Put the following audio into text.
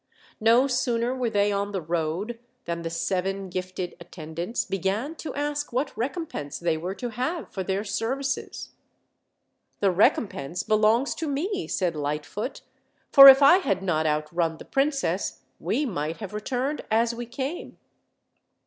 No sooner were they on the road than the seven gifted attendants began to ask what recompense they were to have for their services. "The recompense belongs tome," said Lightfoot; "for if I had not outrun the princess, we might have returned as we came."